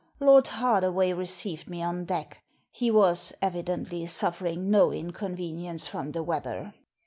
Lord Hardaway received me on deck ; he was, evidently, suffering no inconvenience from the weather.